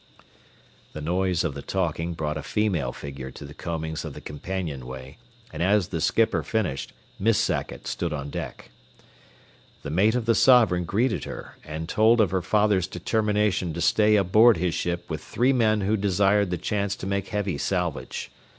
The noise of the talking brought a female figure to the combings of the companionway, and as the skipper finished, Miss Sackett stood on deck. The mate of the Sovereign greeted her, and told of her father's determination to stay aboard his ship with three men who desired the chance to make heavy salvage.